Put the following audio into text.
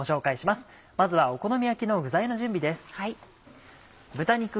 まずはお好み焼きの具材の準備です。